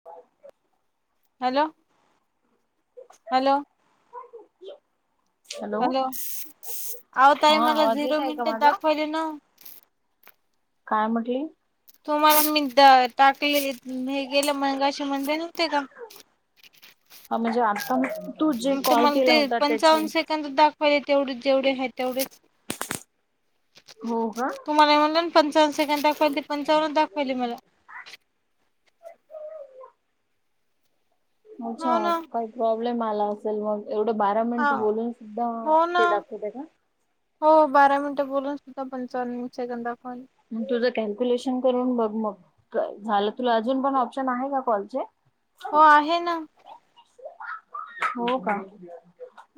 [inaudible] Hello. Hello. Hello. आवो ताई हा मला आवाज येत झिरो आहे का मिनिट माझा दाखवायली ना. काय म्हटली? तुम्हाला मी द टाकले हे गेले मगाशी म्हणले नव्हते का. हा म्हणजे आता तू जे मग कॉल तुम्हाला ते केला होता त्याचे पंचावन्न से दाखवायला तेवढे जेवढे आहे तेवढेच. हो का तुम्हाला म्हटले ना पंचावन्न सेकंद दाखवायली पंचावन्न दाखवली मला. अच्छा! हो ना काही प्रॉब्लेम आला तर मग एवढं बारा हा मिनिट बोलून सुद्धा हो ना ते दाखवत आहे का? हो बारा मिनिटे बोलून सुद्धा पंचावन्न सेकंद दाखवायल. मग तुझं कॅल्क्युलेशन करून बघ मग. झालं तुला अजून पण ऑप्शन आहे का कॉलचे? हो आहे ना. हो का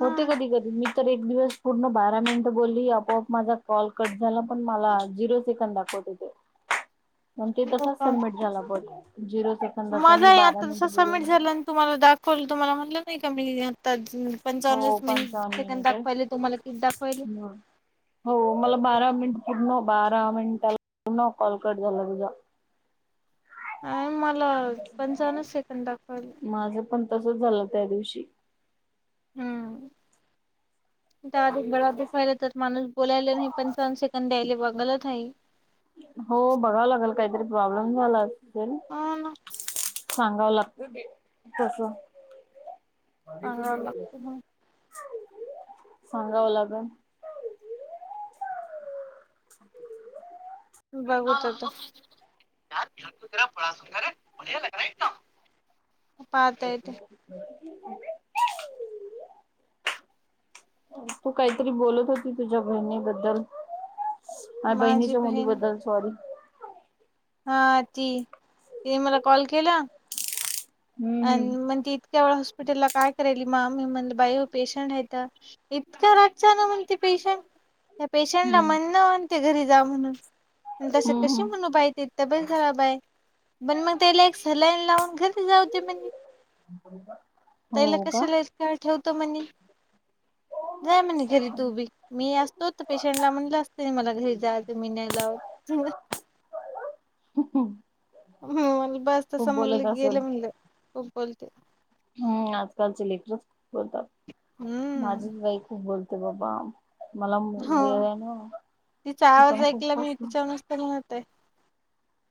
हा होते कधी कधी मी तर एक दिवस पूर्ण बारा मिनिटं बोलली आपोआप माझा कॉल कट झाला पण मला झिरो झिरो सेकंड दाखवत होते मग ते हो तसाच सबमिट केला कॉल झिरो सेकंड माझंही आता तस सबमिट झालं आणि तुम्हाला दाखवल तुम्हाला म्हटलं नाही का मी आता हो पंचान्वीस मिनिट पंचावन्न सेकंड मिनिट दाखवाले तुम्हाला तिच दाखवायल आहे हो मला बारा मिनिट पूर्ण बारा मिनिटाला कॉल कट झाला तुझा. ह [inaudible] आणि मला पंचावन्न सेकंद दाखवले. माझं पण तसच झालं त्या दिवशी. हम्म [inaudible] आधी गळा दुखायला त्यात माणूस बोलायला नाही पण पंचावन सेकंद द्यायले बघ गलत आहे हे. हो बघावं लागेल. काहीतरी प्रॉब्लेम झाला असेल. हो ना सांगाव लाग कस सांगावं लागतं सांगा लागण बघत होत ना पातायेत ह तू काहीतरी बोलत होती तुझ्या बहिणीबद्दल आणि माझी बहिणीच्या बहीण मुलीबद्दल सॉरी हा ती तिने मला कॉल केला हम्म आणि मग त इतक्या वे हॉस्पिटलला काय करायल माम म्हण बाई पेशंट आहे इतकं रगच ना म्हणते पेशंट त्या पेशंटला हम्म म्हन नं म्हणते घरी जा म्हणून आणि तसं हम्म हम्म कशी हम्म म्हणू बाहि तथ बस झाला बाय पण मग त्याला एक सलाईन लावून घरी जाऊते म्हणज तला हो कश का ल काळ ठेवत म्हणे जाय म खरी तू बी मी असतोच पेशंटला म्हटलं असते ना मला घरी जायच मी नाही लावत ब ह मला बज त स बोलत म्हनलं असेल गेलं म्हणलं खूप बोलते हम् आजकालचे लेकररचूप बोलतात हम्म माझीच बाई खूप बोलते बाबा मला हो व आहे ना च पण खूप पस नत को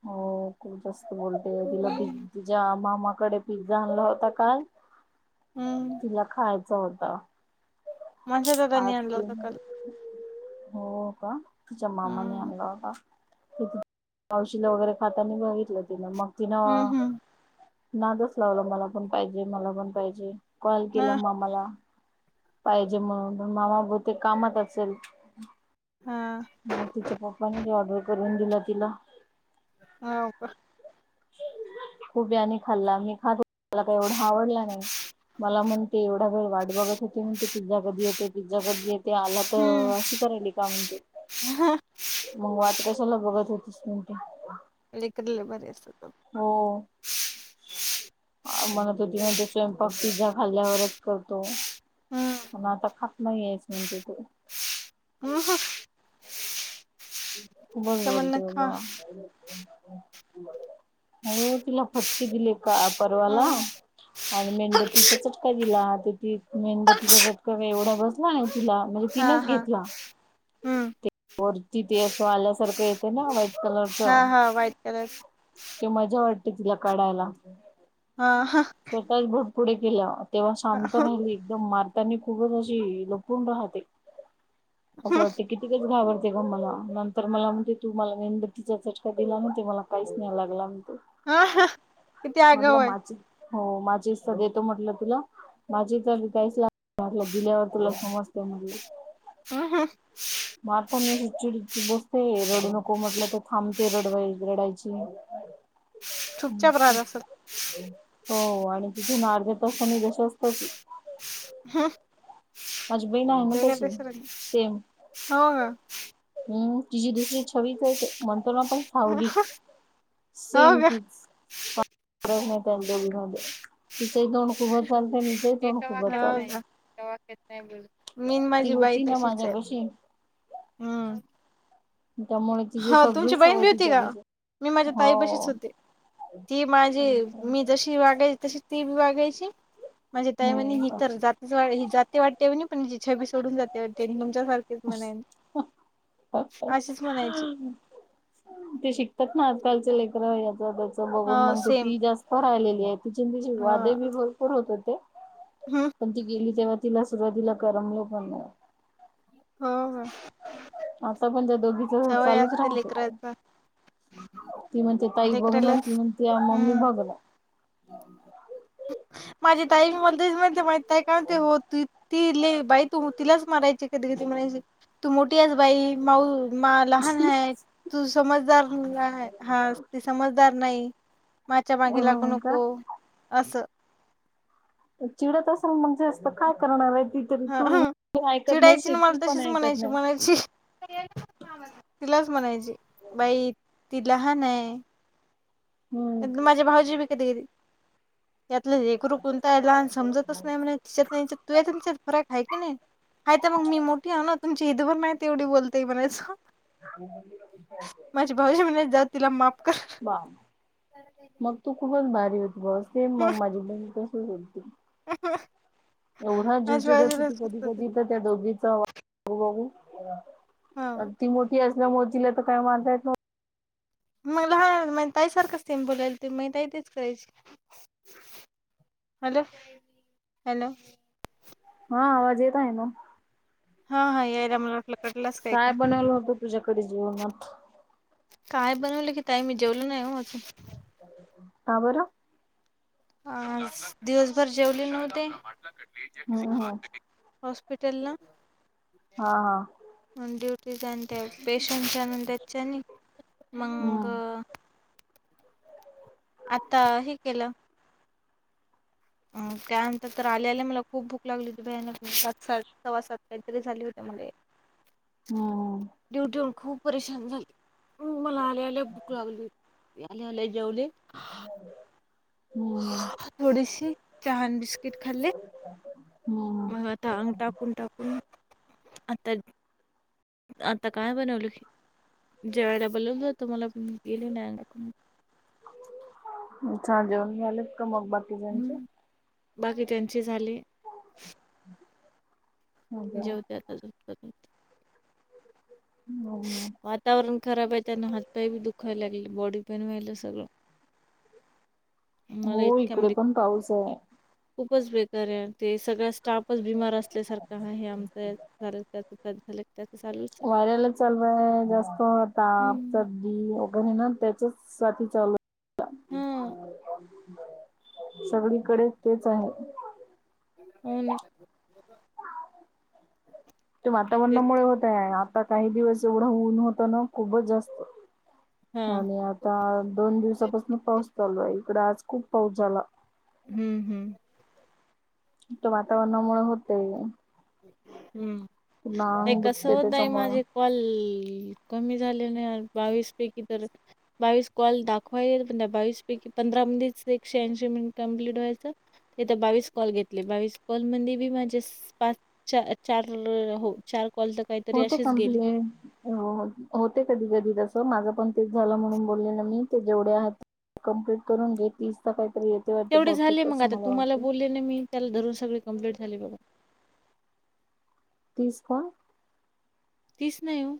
हो खूप जास्त बोलते ल ति ल बी तिच्या मामाकडे पिझ्झा आणला होता काल हम्म तिला खायचा होत माझ्या दादानी आणलं आज होतं काल हो का जमामा नि हम्म आला होा ि मावशीला वगैरे खाताना बघितलं ति ना मग तिनं हम्म नादच लावलं मला पण पाहिजे मला पण पाहिजे कॉल केला हम्म मामाला पाहिजे म्हणून प मामा ब ते कामात असेल हा मग तिच्या पप्पाने ज ऑर्डर करून दिला तिला हा का खूपने खाल्ला मी खातातो मला काही एवढा आवडला नाही मला म्हणते एवढा वेळ वाट बघत होते म्हण ते पिझ्झा कधी येते पिझ्झा कधी येते आलात तर अशी करायली का म्हणते ह मग वाट कशाला बघत होतीस नमती कले बर असत हो म्हणतो त म्हणज स्वयंपाक पिझ्झा खाल्ल्यावरच करतो हम्म पण आता खात नाही यायच म्हणते ते हम खूपच बोलतय बुवा हो तिला फट फटके दिले का अह परवाला हा आणि मेणबत्तीचा चटका दिला आता ती मेणबत्तीचा चटका काय एवढा बसला नाही तिला म्हणजे तिनेच हा घेतला. हम्म ते वरती ते असं आल्यासारखं येते ना व्हाईट हा कलरचं हा व्हाईट कलर ते मजा वाटते तिला काढायलां. हा हा प्रकाश भट पुढे केला तेव्हा शांत राहिली एकदम मार् त्यांनी खूपच अशी लपून राहते असं वाटते कितीकच घाबरते का मला नंत तर मला म्हणते तू मला वेणतीचा चटका दिला ना ते मला काहीच नाही लागला म्हणत किती म्हटलं आगाऊ आहे माझ हो माझी इस्सा देतो म्हटलं तुला माझी तर काहीच लागला दिल्यावर तुला समजते म्हणजे हो हो मग आता मी चिड बसते रडू नको म्हटलं तर, थांबते रडवाय रडायची. हम्म चुपचाप राहत असेल हम्म. हो आणि तिथून अर्ध्या तासानी जशाचं तशी हा माझी बहीण आहे ना मगा तशी पेक्षा रडली सेम हो हम्म तिजी दुसरी छवीच आहे ते, म्हणतो ना आपण सावली हो सेम का तीच फरक नाही त्या दोघींमध्ये, तिचही तोंड खूपच चालतंय आण हिचही तोंड खूपच चालतंय. नाही बाय मीन ती माझी बाय होती ना तशीच आहे माझ्यापाशी हम्म त्यामुळे तिची हा सगळी तुमची बहीण सवय बी होती का? तिच्यापाशी मी माझ्या हो ताई पशीच होते. ती माझी हम्म मी जशी वागायची तशीच ती बी वागायची, माझी ताय म्हणे ही तर जात ही जाते वाटते म्हणे पण हिजी छबी सोडून जाते वाटते, ही तुमच्या सारखेच म्हणेन. अशीच म्हणायची. ते शिकतात ना आजकालच लेकर याच त्याच बघून हो मग तर सेम ती जास्त [unintelligible] आहे तिची तिची वादे बी भरपूर होत होते. हा. [unintelligible] पण ती गेली तेव्हा तिला सुरुवातीला करमलं पण नाही. हो हो. आता पण त्या दोघीच सवय चालूचं असते राहत. लेकराचा ती म्हणते ताई बघना आणि लेकरालाच ती म्हणते अह मम्मी हम्म बघना. माझी ताई मध्येच म्हणते माहीत आहे का, म्हणते हो ती ती लय बाई तू तिलाच मारायचे कधी कधी म्हणायची. तू मोठी आहेस बाई माऊ मा लहान आहे. तू समजदार मुलगा आहे, हा ती समजदार नाही माझ्या मागे लागु हो नको. का असं. अह चिडत असल मग जास्त काय करणार आहे ती कधी ह तू ऐकत चिडायची ना नशील ती मला पण तशीच ऐकत म्हणायची नाय. म्हणायची तिलाच म्हणायची बाई ती लहान आहे. हम्म त्यातन माझे भाऊजी बि कधी कधी त्यातलं हे लेकरू कोणता आहे लहान समजतच नाही म्हणे, तिच्यात नि हिच्यात तुझ्यात नि हिच्यात फरक आहे की नाही. हाय तर मग मी मोठी आहे ना, तुमची हितभर नाही तेवढी बोलतेय म्हणायचं. माझी भाऊजी म्हणायचे जाऊदे तिला माफ कर. बा मग तू खूपच भारी होती बॉस, सेम मग माझी बहीण तशीच होती. अह ह एवढा जिव चिडत होती कधी कधी त्या दोघींचा वा बघू हो ती मोठी असल्यामुळे तिला तर काय मारता येत नव मग लहान माई ताई सारखंच ते बोलायलं माई ताई तेचं करायची. हॅलो. हॅलो हा आवाज येतय आहे. ना हा. हा. या. मला आपकडला [unintelligible] काय बनवलं होत तुझ्याकडे जेवणांत? काय बनवलं की ताय? मी जेवले नाय ओ अजून. का बरं आज दिवसभर जेवले नव्हते हॉस हम्म हम्म हॉस्पिटलला. हा हा. म ्युटी जाऊन त्या. पेशल न त्याच्या आणि मग हम्म आता. हे केलं. अ त्यानंतर तर आल्याल्या मला खूप भूक लागली होती. बयानेक सात सात सवा सात काहीतरी झाले होते. म ह [unintelligible] ड्युटी होन खूप परेशान झाले. मला आल्या आल्या भूक लागली होती. आलयावर जेवले. ह थोडी चहान बिस्किट खाल्ले. हम्म टांग. टाकून टाकून आता काय बनवलं. ज्या वेळेला बो लावूनत त मला पण गेले नाही. अच्छा जेवण मिलेत का मग बाकी त्यांचे [unintelligible] बाकी त्यांची झाली. अच्छा. जेवत्याला ज. हो. वातावरण खराब आहे. त्यांना हातपाय बी दुखायला लागले. बॉडी पेन व्हायला सगळं. हो मला इतक्या इकडे म्हणजे. पण पाऊस आहे खूपच बेकार आहे. ते सगळ्या स्टाफच बीमार असत. सारखं हे आम झा. झा. वाऱ्यालाच चालवाय जास्त आता तर हं. वगैरे ना त्याच्याच. चालू हां. सगळी, कडे तेच आहे. होन. ते तेच वातावरणामुळे होतय. आता काही दिवस एवढं ऊन होतं. ना खूपच जास्त. हां. आणि आता दोन दिवसापासून पाऊस चालू आहे. इकडे आज खूप पाऊस झाला. हम्म. हम्म वातावरणामुळे होते. हम्म पुन्हा ते अंग कस दुखते होत. हे. त्याच्यामुळे माझे कॉल कमी झाले. नाही बावीस पैकी तर बावीस कॉल दाखवायला पण बावीस पैकी पंधरामध्ये एक शहाऐंशी मिनिट कंमप्लीट व्हायचं. बावीस कॉल घेतले. बावीस कॉल मध्ये बी माझे पाच. चार हो चार कॉल. काहीतरी होते. असेच गेले कमप्लेट होते कधी कधी तसं माझं पण तेच झालं. म्हणून बोलले ना मी ते जेवढे आहात. कम्प्लीट करून घेत तीस त काहीरी येत. तेवढे झाले मग आता तुम्हाला. बोलले ना मी त्याला रून सगळे कं्प्लीट झाले. बघा तसका तस नाही येऊ.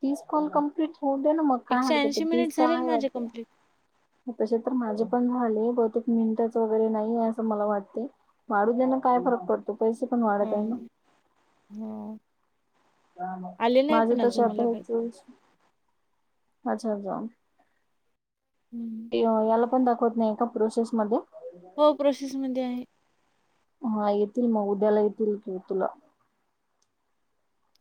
तीस कॉल कम्प्लीट हो दे ना मग काय एकशे हरकत ऐंशी तीस मिनिट तर झाले ना आहे. माझे कंप्लीट वागे तसे तर माझे पण झाले. बहुतेक मिनटच वगैरे नाही. असं मला वाटते. वाढू देना काय फरक पडतो पैसे पण वाढत हो आहे. ना हो [unintelligible] आले नाही माझे पण अजून मला तशता काही अच्छा हम्म. अच्छाला पण दाखवत नाही एका प्रोसेसमध्ये हो प्रोसेसमध्ये आहे. हा येतील मग उद्याला येतील. कि तुला.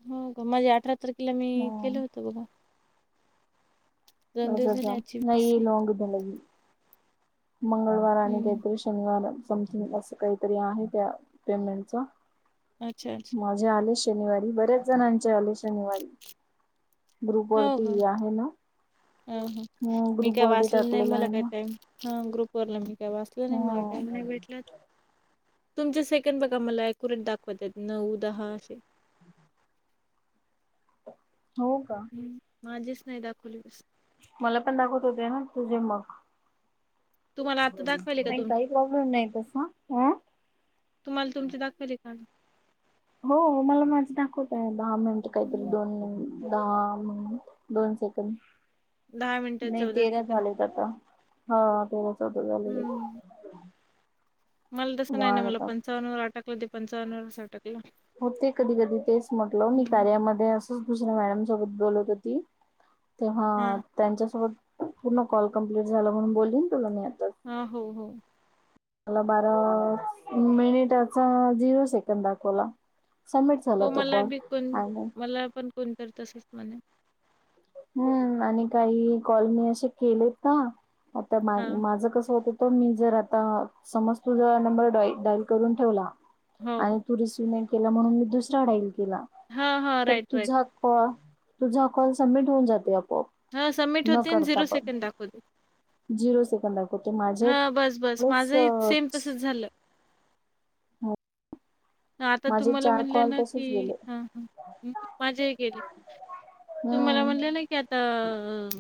हो का माझे. अठरा तारखेला मी केलं होतं. बघा दोन अच्छा दिवस झाले अच्छा आजची वीस नाही. आहे लो घुधन लाग मंगळवार हम्म आणि शनिवार समथिंग अस काहीतरी आहे. त्या पेमेंटच अच्छा्, अच्छा. माझे आले शनिवारी. बऱ्याच जणांचे आले शनिवारी. ग्रुप वरती आहे ना. अ ह. हम्म मी ग्रुप काय वरती वाचल नाही. टाकलेला मला आहे काय ना टाईम - - ह. ग्रुप वरला मी काय वाचलं नाही. मला टाइम हम्म नाही भेटला. तुमचे सेकंड बघा मला अक्युरेट दाखवत आहेत. नऊ दहा असे. हो. का हम्. माझीच नाही दाखवलीस. मला पण दाखवत होते ना तुझे मग. तुम्हाला आता दाखवायले का नाही काही तुमचे प्रॉब्लेम नाही तसा. अं. तुम्हाला तुमची दाखवली का? हो. मला माझं दाखवतयं. दहा मिनिट काहीतरी हम्म, दोन मिनिट. दहा मिनिट दोन सेकंद. दहा मिनटं नाही. चौदा तेरा सेकंद झालेत आता. हा तेरा चौदा झाले. हम्म, [inaudible] मला तसं नाही ना. वाढ मला आता पंचावन्न वर आटकलं, ते पंचावन्नवरच अटकलं. हो ते कधी कधी तेच म्हटलं मी हम्म, कार्यामध्ये असंच दुसऱ्या मॅडम सोबत बोलत होती. तेव्हा हां त्यांच्यासोबत पूर्ण कॉल कंम्प्लिट झाला म्हणून बोलीन तुला मी आता ह, हा, हो, हो. मला बारा मिनिटाचा झिरो सेकंड दाखवला. सबमिट झाला हो तो मला कॉल बी कोण फायनल. मला पण कोण करत तसच म्हणे. हम्म आणि काही कॉल मी असे केलेत ना आता हां. माझ कसं होत तर मी जर आता समज तुझा नंबर डॉइ डाईल करून ठेवला. हो. आणि तू रिसिव्ह केला म्हणून मी दुसरा डाईल केला. हां, हां. तर राईट, राईट. तुझा- - प तुझा कॉल सबमिट होऊन जातेय आपोआप. हा. सबमिट न होते आणि करता झिरो पण सेकंड दाखवते. झिरो सेकंड दाखवते. माझे हां, बस, बस. प्लस माझंही सेम तसंच झालं. हा आता माझे तुम्हाला चार म्हणलं कॉल ना तसेच कि गेले ह ह माझेही गेले. तुम्हाला हम्म म्हणलं ना कय तर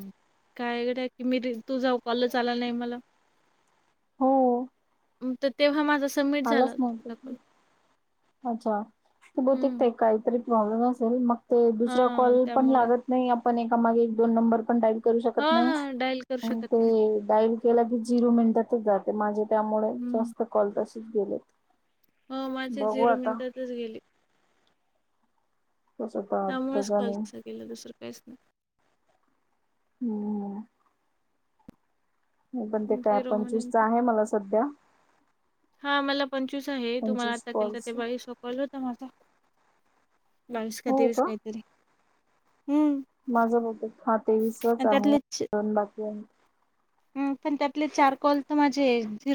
काय ग ते की मी तूजा कॉलच आला नाही मला हू. तर तेव्हा माझं सबमिट झालं नव्हता अच्छा. ते बहुतेक हं. ते काहीतरी प्रॉब्लेम असल मग ते दुसरा कॉल हां, पण त्यामुळे. लागत नाही आपण एकामागे एक दोन नंबर पण डाईल करू शकत हां, नाही, हां. डायल करू शकत ते नाही. डाईल. केला की झिरो मिनिटातच जाते, माझे त्यामुळे हं. जास्त कॉल तसेच गेले. हो माझे झिरो मिनिटातच गेली. कसं होतं त्यामुळेच त्याच्याने कॉलच गेलं. दुसरं काहीच नाही. हू पण ते नाही. काय झिरो पंचवीसच मुलींचा. आहे मला सध्या. हा मला पंचवीस आहे. तुम्हाला पंचवीस आता केल तर कॉल्स ते बाईस सोपवल होत मला. बावीस का तेवीस काहीतरी, हूं. माझं बहुतेक हा तेवीसच च आहे पण त्यातले चार कॉल तर माझे जीरो